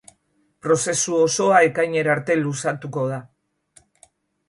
Prozesu osoa ekainera arte luzatuko da.